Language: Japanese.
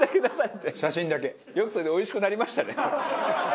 よくそれでおいしくなりましたね。